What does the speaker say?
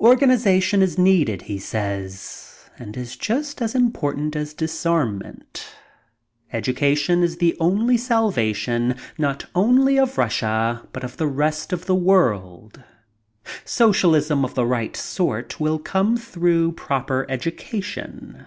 Organization is needed, he says, and is just as important as disarmament. Education is the only salvation, not only of Russia, but of the rest of the world. Socialism of the right sort will come through proper education.